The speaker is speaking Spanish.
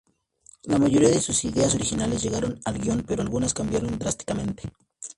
La mayoría de sus ideas originales llegaron al guion, pero algunas cambiaron drásticamente.